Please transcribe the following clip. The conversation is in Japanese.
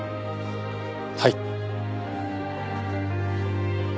はい。